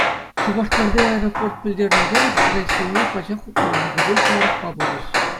Шупашкарти аэропорт пӗлтернӗ тӑрах, рейссене пачах хупман, вӗсем каярахпа пулӗҫ.